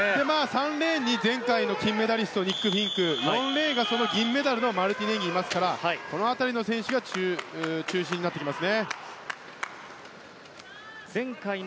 ３レーンにニック・フィンク４レーンにマルティネンギがいますからこの辺りの選手が中心になってきます。